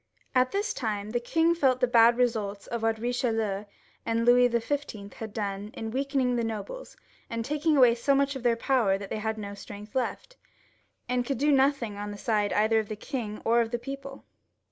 At this time the king felt the bad results of what EicheHeu and Louis XIV. had done in weakening the nobles, and taking away so much of their power that they had no strength left, and could do nothing on the side either of the king or of the people.